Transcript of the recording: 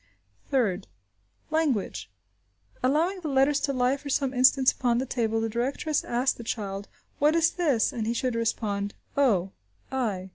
Third. Language. Allowing the letters to lie for some instants upon the table, the directress asks the child, "What is this?" and he should respond, o, i.